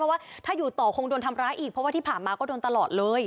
ว่าถ้าอยู่ต่อคงโดนทำร้ายอีกเพราะว่าที่ผ่านมาก็โดนตลอดเลย